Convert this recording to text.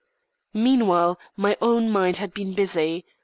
Meanwhile, my own mind had been busy.